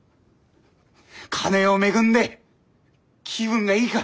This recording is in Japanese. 金を恵んで気分がいいか？